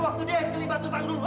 waktu dia yang kelibat tutang dulu